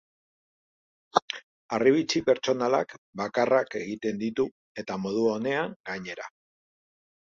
Harribitxi pertsonalak, bakarrak, egiten ditu, eta modu onean, gainera.